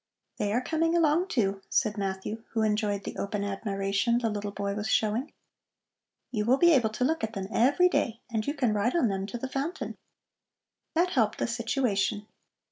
"They are coming along, too," said Matthew, who enjoyed the open admiration the little boy was showing. "You will be able to look at them every day, and you can ride on them to the fountain." That helped the situation.